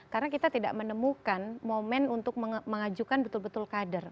karena kita tidak menemukan momen untuk mengajukan betul betul kader